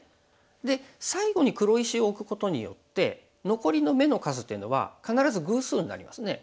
で最後に黒石を置くことによって残りの目の数っていうのは必ず偶数になりますね。